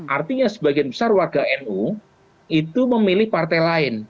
artinya sebagian besar warga nu itu memilih partai lain